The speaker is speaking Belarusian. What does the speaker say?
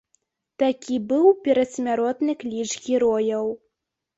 Такі быў перадсмяротны кліч герояў.